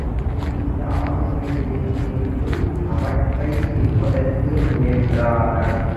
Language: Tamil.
இந்த ஆளுகையினின்றும் அவற்றை மீட்பதற்கு முயன்றனர்.